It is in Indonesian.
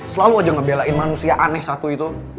selalu aja ngebelain manusia aneh satu itu